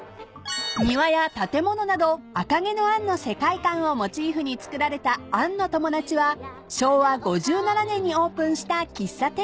［庭や建物など『赤毛のアン』の世界観をモチーフにつくられたアンの友達は昭和５７年にオープンした喫茶店］